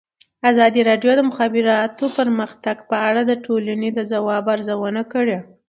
ازادي راډیو د د مخابراتو پرمختګ په اړه د ټولنې د ځواب ارزونه کړې.